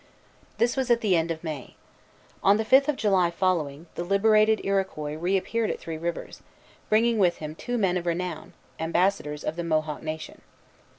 This was at the end of May. On the fifth of July following, the liberated Iroquois reappeared at Three Rivers, bringing with him two men of renown, ambassadors of the Mohawk nation.